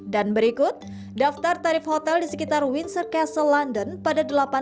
dan berikut daftar tarif hotel di sekitar windsor castle london pada delapan belas sampai dua puluh mei dua ribu delapan belas